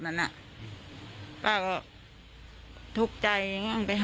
นอนอยู่มัน